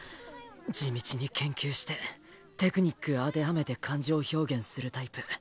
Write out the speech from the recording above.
地道に研究してテクニック当てはめて感情表現するタイプ。